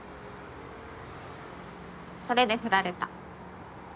それでフラれた。